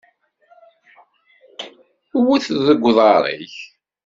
Wwet deg uḍar-ik!